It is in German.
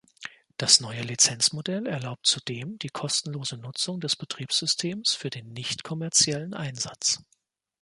Das neue Lizenzmodell erlaubt zudem die kostenlose Nutzung des Betriebssystems für den nicht-kommerziellen Einsatz.